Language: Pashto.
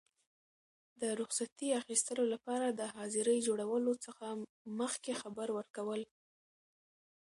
د رخصتي اخیستلو لپاره د حاضرۍ جوړولو څخه مخکي خبر ورکول.